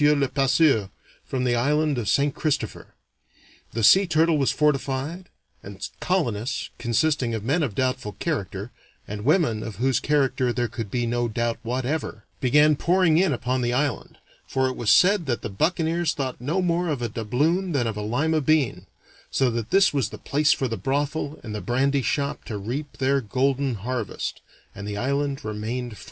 le Passeur, from the island of St. Christopher; the Sea Turtle was fortified, and colonists, consisting of men of doubtful character and women of whose character there could be no doubt whatever, began pouring in upon the island, for it was said that the buccaneers thought no more of a doubloon than of a Lima bean, so that this was the place for the brothel and the brandy shop to reap their golden harvest, and the island remained French.